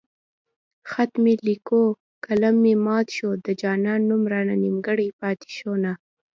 خط مې ليکو قلم مې مات شو د جانان نوم رانه نيمګړی پاتې شونه